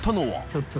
ちょっと。